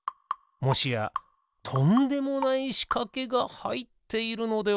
もしやとんでもないしかけがはいっているのでは？